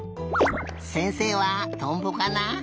せんせいはトンボかな？